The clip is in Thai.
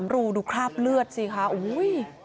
รูดูคราบเลือดสิคะอุ้ย